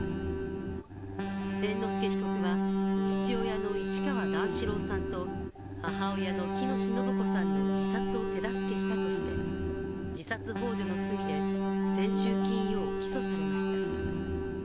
猿之助被告は父親の市川段四郎さんと、母親の喜熨斗延子さんの自殺を手助けしたとして自殺ほう助の罪で先週金曜、起訴されました。